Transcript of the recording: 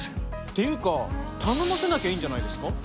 ていうか、頼ませなきゃいいんじゃないですか？